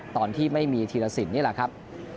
ตอนที่ไม่มีธีรสินนี่แหละครับ